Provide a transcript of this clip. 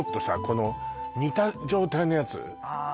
この煮た状態のやつあ